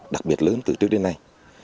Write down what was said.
đặc biệt lớn từ trước đến nay